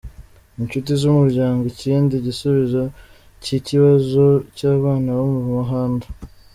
Inshuti z’Umuryango”, ikindi gisubizo cy’ikibazo cy’abana bo mu muhanda.